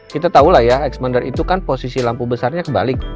kita tahu lah ya expander itu kan posisi lampu besarnya kebalik